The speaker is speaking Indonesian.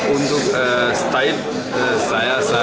untuk style saya